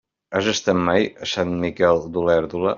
Has estat mai a Sant Miquel d'Olèrdola?